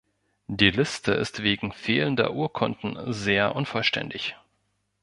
Die Liste ist wegen fehlender Urkunden sehr unvollständig.